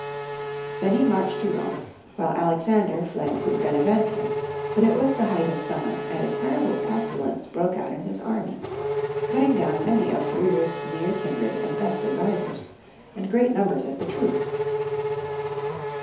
Then he marched to Rome, while Alexander fled to Benevento, but it was the height of summer, and a terrible pestilence broke out in liis army, cutting down many of Friedrich's near Friedrich J., Barbarossa. 186 kindred and best advisers, and great numbers of the troops.